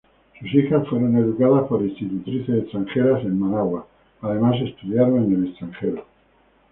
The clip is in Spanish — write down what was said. Sus hijas fueron educadas por institutrices extranjeras en Managua, además estudiaron en el extranjero.